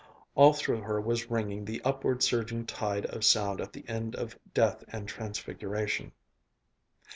All through her was ringing the upward surging tide of sound at the end of "Death and Transfiguration."